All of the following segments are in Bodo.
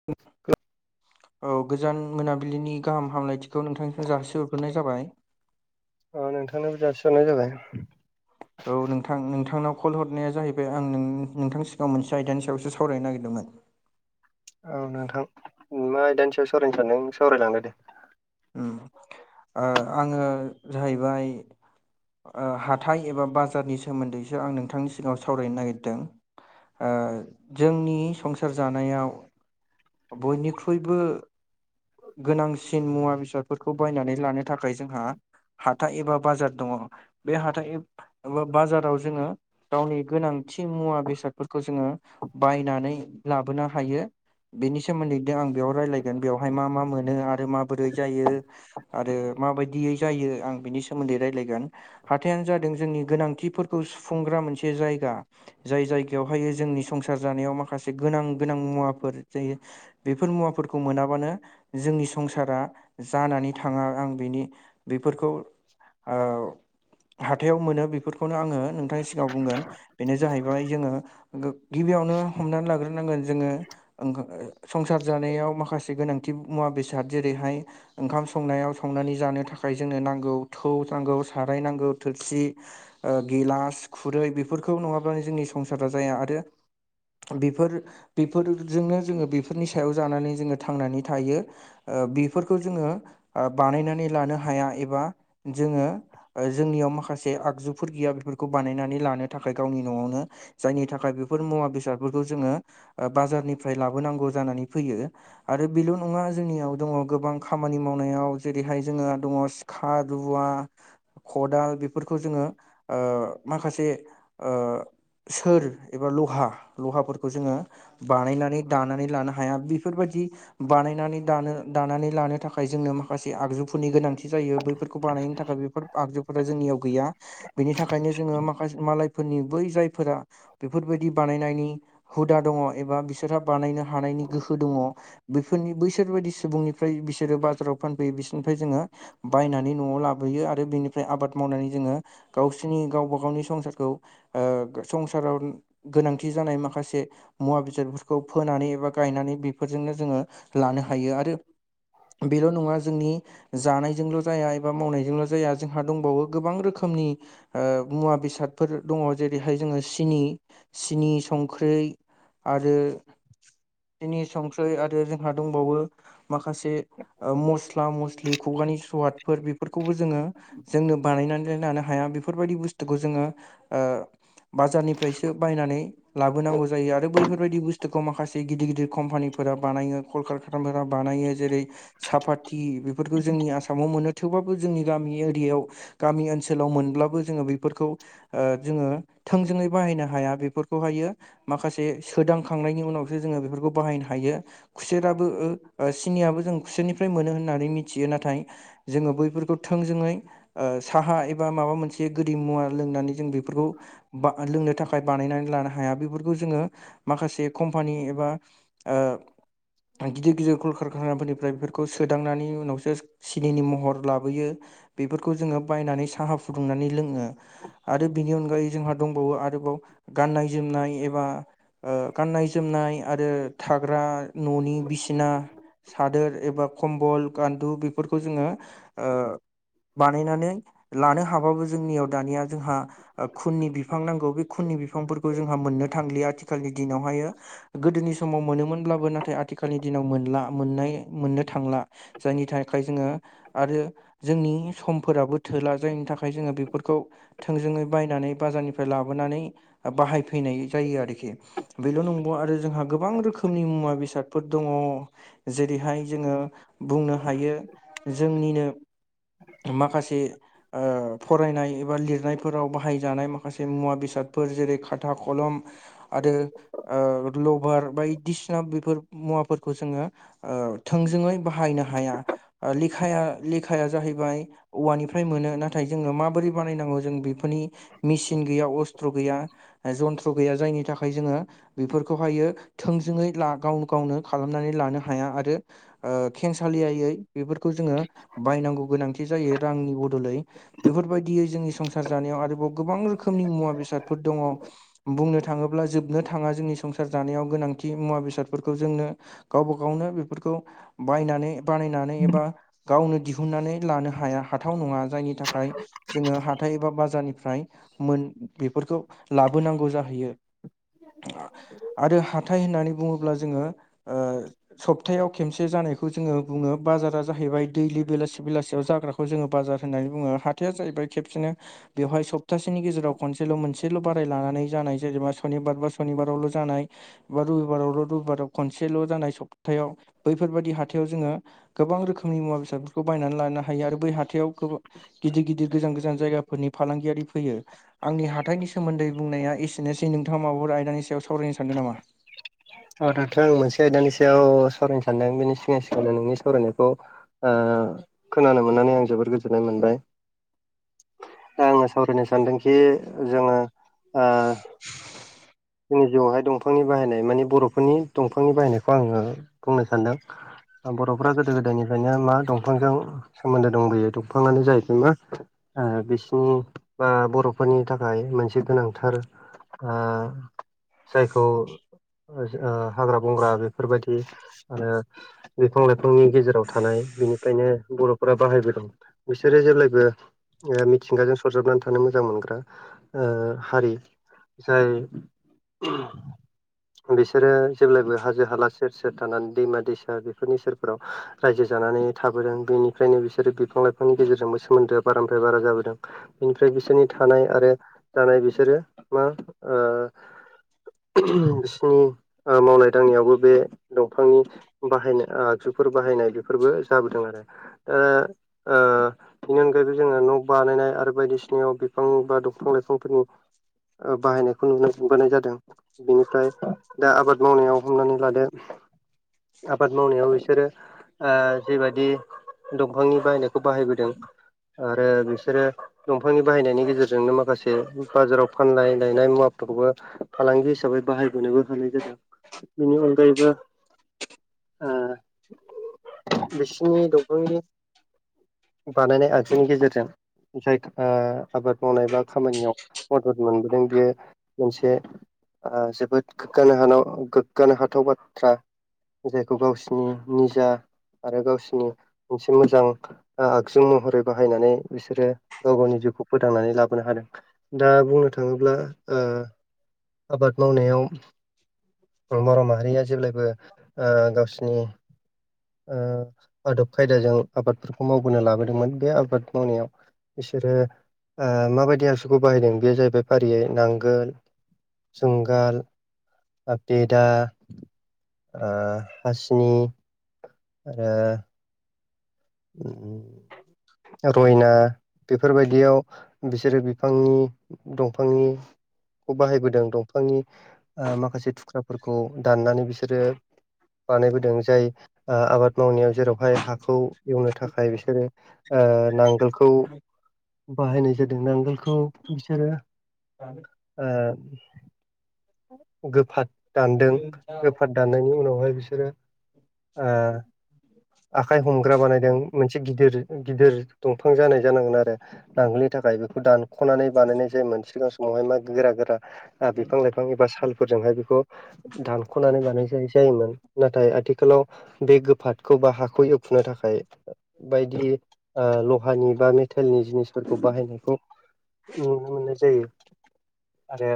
[inaudible] औ गोजान मोनाबिलिनि गाहाम हामलायथिखौ नोंथांनिसिम जाहोसि हरग्रोनाय जाबाय। अ नोंथांनोबो जााबसिहरनाय जाबाय। औ नोंथां नोंथांनाव कल हरनाया जाहैबाय आं नोंथांनि सिगाङाव मोनसे आयदानि सायावसो सावरायनो नागिरदोंमोन। औ नोंथां मा आयदानि सायाव सावरायनो सानदों न सावरायलांदो दे ओआङो जाहैबाय हाथाय एबा बाजारनि सोमोन्दैसो आं नोंथांनि सिगाङाव सावरायनो नागिरदों। ओ जोंनि संसार जानायाव बयनिख्रुइबो गोनांसिन मुवा बेसादफोरखौ बायनानै लानो थाखाय जोंहा हाथा एबा बाजार दङ बे हाथाय एबा बाजाराव जोङो गावनि गोनांथि मुवा बेसादफोरखौ जोङो बायनानै लाबोनो हायो। बेनि सोमोन्दै आं बेयाव रायजलायगोन बेवहाय मा मा मोनो आरो माबोरै जायो। आरो माबायदियै जायो आं बिनि सोमोन्दै रायज्लायगोन। हाथायानो जादों जोंनि गोनांथिफोरखौ सुफुंग्रा मोनसे जायगा। जाय जायगायावहायो जोंनि संसार जानायाव माखासे गोनां गोनां मुवाफोर जायो बेफोर मुवाफोरखौ मोनाबानो जोंनि संसारा जानानै थाङा आं बिनि बेफोरखौ ओ- हाथायाव मोनो बेफोरखौनो आङो नोंथांनि सिगाङाव बुंगोन बेनो जाहैबाय जोङो गिबियावनो हमनानै लाग्रोनांगोन जोङो ओं- संसार जानायाव माखासे गोनांथि मुवा बेसाद जेरैहाय ओंखाम संनायाव संनानै जानो थाखाय जोंनो नांगौ थौ नांगौ साराय नांगौ थोरसि गिलास खुरै बेफोरखौ नङाब्लानो जोंनि संसारा जाया आरो बेफोर बेफोरजोंनो जोङो बेफोरनि सायाव जानानै जोङो थांनानै थायो। ओ- बेफोर जो बानायनानै लानो हया एबा जोङो जोंनियाव माखासे जे आगजुफोर गैया बेफोरखौ बानायनानै लानो थाखाय गावनि न'आवनो जायनि थाखाय बेफोर मुवा बेसादफोरखौ जोङो बाजारनिफ्राय लाबोनांगौ जानानै फैयो। आरो बेल' नङा जोंनियाव दङ गोबां खामानि मावनायाव जेरैहाय जोंहा दङ सिखा रुवा खदाल बेफोरखौ ओ- जोङो माखासे ओ- सोर एबा लहा लहाफोरखौ जोङो बानायनानै दानानै लानो हाया बेफोरबायदि बानायनानै दानो दानानै लानो थाखाय जोंनो माखासे आगजुफोरनि गोनांथि जायो बैफोरखौ बानायनो थाखाय बेफोर आगजुफोरा जोंनियाव गैया बेनि थाखायनो जोङो माखासे मालायफोरनि बै जायफोरा बेफोरबायदि बानायनायनि हुदा दङ एबा बिसोरहा बानायनो हानायनि गोहो दङ बैफोरनि बैसोर बदि सुबुंनिफ्राय बिसोरो बाजाराव फानफैयो बिसोरनिफ्राय जोङो बायनानै न'आव लाबोयो आरो बेनिफ्राय आबाद मावनानै जोङो गावसोरनि गावबा गावनि संसारखौ ओ- संसाराव गोनांथि जानाय माखासे मुवा बेसादफोरखौ फोनानै एबा गायनानै बेफोरजोंनो जोङो लानो हायो आरो बेल' नङा जोंनि जानायजोंल' जाया एबा मावनायजोंल' जाया जोंहा दंबावो गोबां रोखोमनि ओ मुवा बेसादफोर दङ जेरैहाय जोङो सिनि सिनि संख्रै आरो सिनि संख्रै आरो जोंहा दंबावो माखासे मस्ला मस्लि खुगानि सुवाद फोर बेफोरखौबो जोङो जोंनो बानायनानै लानो हाया बेफोरबायदि बुस्थुखौ जोङो ओ बाजारनिफ्रायसो बायनानै लाबोनांगौ जायो आरो बैफोरबायदि बुस्थुखौ माखासे गिदिर गिदिर कम्पानिफोरा बानायनो। कल कार खानाफोरा बानायो जेरै सापाति बेफोरखौ जोंनि आसामाव मोनो थेवबाबो जोंनि गामि एरियायाव गामि ओनसोलाव मोनब्लाबो जोङो बेफोरखौ ओ- जोङो थोंजोङै बाहायनो हाया बेफोरखौहायो माखासे सोदांखांनायनि उनावसो जोङो बेफोरखौ बाहायनो हायो। खुसेराबो सिनियाबो जों खुसेरनिफ्राय मोनो होननानै मिथियो नाथाय जोङो बैफोरखौ थोंजोङै साहा एबा माबा मोनसे गोदै मुवा लोंनानै जों बेफोरखौ बा लोंनो थाखाय बानायनानै लानो हाया बेफोरखौ जोङो माखासे कम्पानि एबा ओ गिदिर गिदिर कल कारखानाफोरनि ओमफ्राय बेफोरखौ सोदांनायनि उनावसो सिनिनि महर लाबोयो बेफोरखौ जोङो बायनानै साहा फुदुंनानै लोङो आरो बिनि अनगायै जोंहा दंबावो आरोबाव गाननाय जोमनाय एबा ओ गाननाय जोमनाय आरो थाग्रा न'नि बिसिना सादोर एबा खम्बल गान्दु बेफोरखौ जोङो ओ बानायनानै लानो हाबाबो जोंनियाव दानिया जोंहा खुननि बिफां नांगौ बे खुननि बिफांफोरखौ जोंहा मोननो थांलिया आथिखालनि दिनावहायो गोदोनि समाव मोनोमोनब्लाबो नाथाय आथिखालनि दिनाव मोनला मोननाय मोननो थांला जायनि थाखाय जोङो आरो जोंनि समफोराबो थोला जायनि थाखाय जोङो बेफोरखौ थोंजोङै बायनानै बाजारनिफ्राय लाबोनानै बाहायफैनाय जायो आरोखि बेल' नंबावा आरो जोंहा गोबां रोखोमनि मुवा बेसादफोर दङ। जेरैहाय जोङो बुंनो हायो जोंनिनो माखासे ओ फरायनाय एबा लिरनायफोराव बाहायजानाय माखासे मुवा बेसादफोर जेरै खाथा खलम आरो ओ लभार बायदिसिना बेफोर मुवाफोरखौ जोङो ओ थोंजोङै बाहायनो हाया लेखाया लेखाया जाहैबाय औवानिफ्राय मोनो नाथाय जोङो माबोरै बानायनांगौ जों बेफोरनि मेचिन गैया अस्त्र' गैया जन्थ्र' गैया जायनि थाख जोङो बेफोरखौहायो थोंजोङै ला गावनो गावनो खालामनानै लानो हाया आरो ओ खेंसालियायै बेफोरखौ जोङो बायनांगौ गोनांथि जायो रांनि बदलै बेफोरबायदियै जोंनि संसार जानायाव आरोबाव गोबां रोखोमनि मुवा बेसादफोर दङ। बुंनो थाङोब्ला जोबनो थाङा जोंनि संसार जानायाव गोनांथि मुवा बेसादफोरखौ जोंङो गावबा गावनो बेफोरखौ बायनानै बानायनानै एबा गावनो दिहुननानै लानो हाया हाथाव नङा जायनि थाखाय जोङो हाथाय एबा बाजारनिफ्राय मोन बेफोरखौ लाबोनांगौ जाहैयो आरो हाथाय होननानै बुङोब्ला जोङो ओ सप्तायाव खेबसे जानायखौ जोङो बुङो बाजारा जाहैबाय दैलि बेलासे बेलासियाव जाग्रा खौ जोङो बाजार होननानै बुङो हाथाया जाहैबाय खेबसेनो बेवहाय सप्तासेनि गेजेराव खनसेल' मोनसेल' बाराय लानानै जानाय जेनेबा सनिबार बा सनिबारावल' जानाय बा रबिबारावल' रबिबाराव खनसेल' जानाय सब्तायाव बैफोरबायदि हाथायाव जोङो गोबां रोखोमनि मुवा बेसादफोरखौ बायनानै लानो हायो आरो बै हाथायाव गो गिदिर गिदिर गोजान गोजान जायगाफोरनि फालांगियारि फैयो। आंनि हाथायनि सोमोन्दै बुंनाया एसेनोसै नोंथाङा माबाफोर आयदानि सायाव सावरायनो सानदों नामा? औ दाथ' आं मोनसे आयदानि सायाव सावरायनो सानदों बेनि सिगां सिगांनो नोंनि सावरायनायखौ ओ खोनानो मोननानै आं जोबोर गोजोननाय मोनबाय आङो सावरायनो सानदोंखि जोङो ओ [inaudible] जोंनि जिउआवहाय दंफांनि बाहायनाय माने बर'फोरनि दंफांनि बाहायनायखौ आङो बुंनो सानदों बर'फ्रा गोदो गोदायनिफ्रायनो मा दंफांजों सोमोन्दो दंबोयो दंफाङानो जाहैबाय मा ओ बिसिनि ओ बर'फोरनि थाखाय मोनसे गोनांथार ओ जायखौ ओ हाग्रा बंग्रा बेफोरबायदि आरो बिफां लाइफांनि गेजेराव थानाय बिनिफ्रायनो बर'फोरा बाहायबोदों बिसोरो जेब्लायबो ओ मिथिंगाजों सरजाबनानै थानो मोजां मोनग्रा। ओ हारि जाय बिसोरो जेब्लायबो हाजो हाला सेर सेर थानानै दैमा दैसा बेफोरनि सेरफोराव रायजो जानानै थाबोदों बेनिफ्रायनो बिसोरो बिफां लाइफांनि गेजेरजोंबो सोमोन्दोआ बारानिफ्राय बारा जाबोदों बिनिफ्राय बिसोरनि थानाय आरो जानाय बिसोरो मा ओ बिसिनि मावनाय दांनायावबो बे दंफांनि बाहायनाय आगजुफोर बाहायनाय बेफोरबो जाबोदों आरो ओ ओ बेनि अनगायैबो जोङो न' बानायनाय आरो बायदिसिनायाव बिफां बा दंफां लाइफांफोरनि ओ बाहायनायखौ नुनाय नुबोनाय जादों। बिनिफ्राय दा आबाद मावनायाव हमनानै लादो आबाद मावनायाव बिसोरो ओ जिबादि दंफांनि बाहायनायखौ बाहायबोदों आरो बिसोरो दंफांनि बाहायनायनि गेजेरजोंनो माखासे बाजाराव फानलाय लायनाय मुवा खौबो फालांगि हिसाबै बाहायबोनोबो हानाय जादों बेनि अनगायैबो ओ बिसिनि दंफांनि बानायनाय आगजुनि गेजेरजों जाय ओह आबाद मावनाय बा खामानियाव मदद मोनबोदों बेयो मोनसे ओह जोबोद गोग्गानो हानाव गोग्गानो हाथाव बाथ्रा जायखौ गावसिनि निजा आरो गावसिनि मोनसे मोजां ओ आगजु महरै बाहायनानै बिसोरो गाव गावनि जिउखौ फोथांनानै लाबोनो हादों। दा बुंनो थाङोब्ला ओ आबाद मावनायाव बर' माहारिया जेब्लायबो ओ गावसिनि ओह आदब खायदाजों आबादफोरखौ मावबोनो लाबोदोंमोन बे आबाद मावनायाव बिसोरो ओ माबायदि आगजुखौ बाहायदों बेयो जाहैबाय फारियै नांगोल जुंगाल ओ बेदा ओ हासिनि आरो [unintelligible] रयना बेफोरबायदियाव बिसोरो बिफांनि दंफांनि बाहायबोदों दंफांनि ओह माखासे थु ख्राफोरखौ दाननानै बिसोरो बानायबोदों जाय ओ आबाद मावनायाव जेरावहाय हाखौ एवनो थाखाय बिसोरो ओह नांगोलखौ बाहायनाय जादों नांगोलखौ बिसोरो [inaudible] ओह गोफाद दानदों नामा? गोफाद दाननायनि उनावहाय बिसोरो ओ आखाइ हमग्रा बानायदों मोनसे गिदिर गिदिर दंफां जानाय जानांगोन आरो नांगोलनि थाखाय बेखौ दानख'नानै बानायनाय जायोमोन सिगां समावहाय मा गोरा गोरा ओ बिफां लाइफां एबा सालफोरजोंहाय बेखौ दानख'नानै बानायजाय जायोमोन नाथाय आथिखालाव बे गोफादखौ बा हाखौ एवखुनो थाखाय बायदि ओ लहानि बा मेथेलनि जिनिसफोरखौ बाहायनायखौ नुनो मोननाय जायो। आरो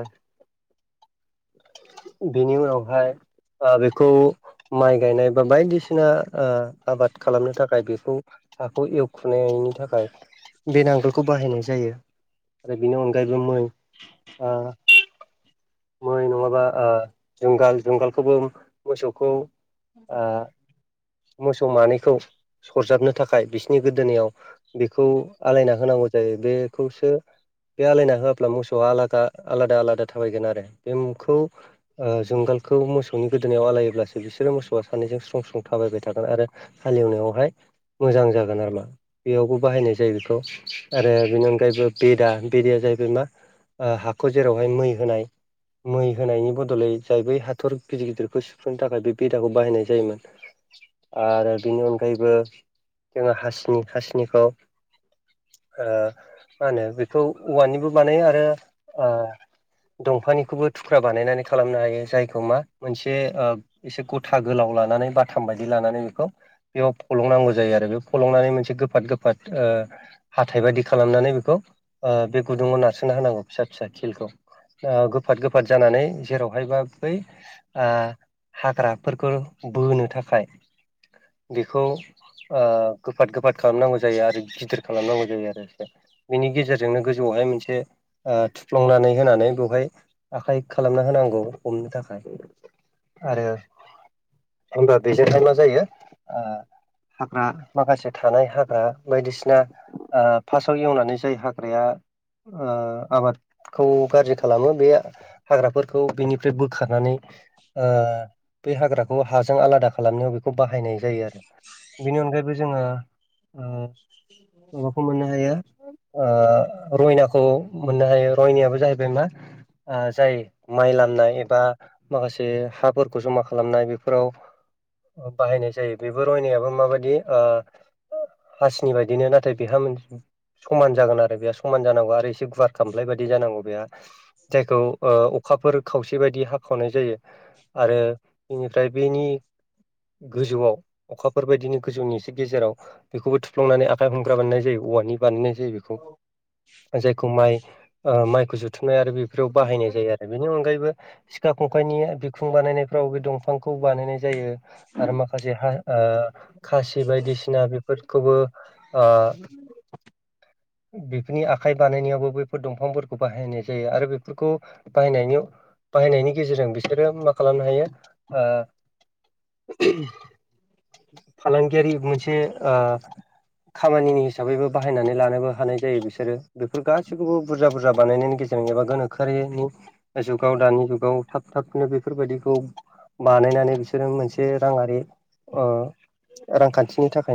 [inaudible] बेनि उनावहाय ओ बेखौ माइ गायनाय बा बायदिसिना ओ आबाद खालामनो थाखाय बेखौ खौ एवखुनायनि थाखाय बे नांगोलखौ बाहायनाय जायो। आरो बेनि अनगायैबो मै ओ मै नङाबा ओ जुंगाल जुंगालखौबो मोसौखौ ओह मोसौ मानैखौ सरजाबनो थाखाय बिसि नि गोदोनायाव बेखौ आलायना होनांगौ जायो बेखौसो बे आलायना होआब्ला मोसौवा आलादा आलादा आलादा थाबायगोन आरो बे मुंखौ ओ जुंगालखौ मोसौनि गोदोनायाव आलायोब्लासो बिसोरो मोसौवा सानैजों स्रं स्रं थाबायबाय थागोन आरो हालेवनायावहाय मोजां जागोन आरो मा। बेयावबो बाहायनाय जायो बेखौ आरो बेनि अनगायैबो बेदा बेदाया जाहैबाय मा ओ हाखौ जेरावहाय मै होनाय मै होनायनि बदलै जाय बै हाथर गिदिर गिदिरखौ सुफ्रुनो थाखाय बे बिदाखौ बाहायनाय जायोमोन। [inaudible] आरो बिनि अनगायैबो जोङो हासिनि हासिनिखौ ओ मा होनो बेखौ औवानिबो बानायो आरो ओ दंफांनिखौबो थुख्रा बानायनानै खालामनो हायो जायखौ मा मोनसे ओ एसे गथा गोलाव लानानै बाथाम बायदि लानानै बेखौ बेयाव फलंनांगौ जायो आरो बे फलंनानै मोनसे गोफाद गोफाद ओ हाथाय बायदि खालामनानै बेखौ ओ बे गुदुङाव नारसोना होनांगौ फिसा फिसा खिलखौ। ओ गोफाद गोफाद जानानै जेरावहायबा बै ओ हाग्राफोरखौ बोनो थाखाय बेखौ ओ गोफाद गोफाद खालामनांगौ जायो आरो गिदिर खालामनांगौ जायो आरो एसे। बेनि गेजेरजोंनो गोजौआवहाय मोनसे ओ थुफ्लंनानै होनानै बेवहाय आखाय खालामना होनांगौ हमनो थाखाय। आरो जेनेबा बेजोंहाय मा जायो ओ हाग्रा माखासे थानाय हाग्रा बायदिसिना ओ फार्स्टाव एवनानै जाय हाग्राया ओ आबादखौ गाज्रि खालामो बे हाग्राफोरखौ बिनिफ्राय बोखारनानै बे ओ बे हाग्राखौ हाजों आलादा खालामनो खौ बाहायनाय जायो आरो बेनि अनगायैबो जोङो ओ माबाखौ मोननो हायो ओ रयनाखौ मोननो हायो रयनायाबो जाहैबाय मा ओ जाय माइ लामनाय एबा माखासे हाफोरखौ जमा खालामनाय बेफोराव ओ बाहायनाय जायो बेबो रायनायाबो माबाय ओ हासिनि बायदिनो नाथाय बेहा मो समान जागोन आरो बेहा समान जानांगौ आरो एसे गुवार खाम्लाय बायदि जानांगौ बेहा। जायखौ ओ अखाफोर खावसे बायदि हाखावनाय जायो। आरो बेनिफ्राय बेनि गोजौआव अखाफोरबायदिनि गोजौनि एसे गेजेराव बेखौबो थुफ्लंनानै आखाइ हमग्रा बानायनाय जायो औवानि बानायनाय जायो बेखौ। जायखौ माइ ओ माइखौ जुथुमनाय आरो बेफोराव बाहायनाय जायो आरो बेनि अनगायैबो सिखा खंखाइनि बिखुं बानायनायफ्राव बे दंफांखौ बानायनाय जायो। आरो माखासे हा ओ खासि बायदिसिना बेफोरखौबो ओ बेफोरनि आखाइ बानायनायावबो बैफोर दंफांफोरखौ बाहायनाय जायो आरो बेफोरखौ बाहायनायनि बाहायनायनि गेजेरजों बिसोरो मा खालामनो हायो ओ फालांगियारि मोनसे ओ खामानिनि हिसाबैबो बाहायनानै लानोबो हानाय जायो बिसोरो बेफोर गाैखौबो बुरजा बुरजा बानायनायनि गेजेर दं एबा गोनोखोआरिनि जुगाव दानि जुगाव थाब थाबनो बेफोरबायदिखौ बानायनानै बिसोरो मोनसे राङारि रांखान्थिनि थाखाय